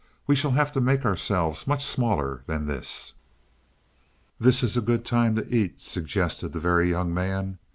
We shall have to make ourselves much smaller than this." "This is a good time to eat," suggested the Very Young Man.